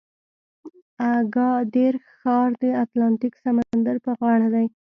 اګادیر ښار د اتلانتیک سمندر په غاړه دی.